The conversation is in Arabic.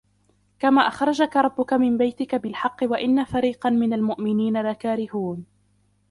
كما أخرجك ربك من بيتك بالحق وإن فريقا من المؤمنين لكارهون